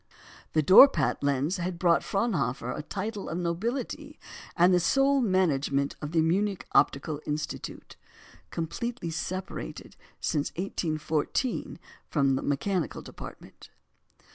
The Dorpat lens had brought to Fraunhofer a title of nobility and the sole management of the Munich Optical Institute (completely separated since 1814 from the mechanical department).